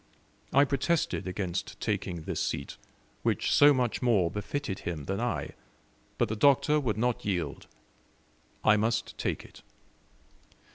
I protested against taking this seat, which so much more befitted him than I, but the Doctor would not yield: I must take it.